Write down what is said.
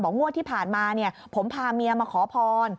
เขาก็เล่าให้ฟังบอกว่าที่ผ่านมาผมพาเมียมาขอพร